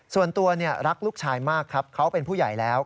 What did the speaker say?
ส่วนตัวรักลูกชายมากครับเขาเป็นผู้ใหญ่แล้ว